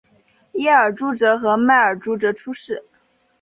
耶尔朱哲和迈尔朱哲出世。